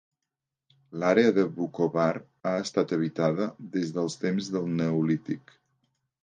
L'àrea de Vukovar ha estat habitada des dels temps del neolític.